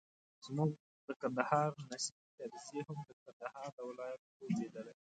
زموږ د کندهار نیسم کرزي هم د کندهار د ولایت خوب لیدلی.